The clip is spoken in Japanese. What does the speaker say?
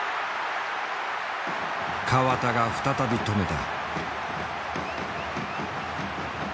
河田が再び止めた。